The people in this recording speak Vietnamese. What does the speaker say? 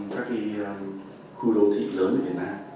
các khu đô thị lớn việt nam